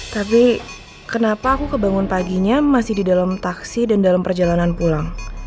tapi kenapa aku kebangun paginya masih di dalam taksi dan dalam perjalanan pulang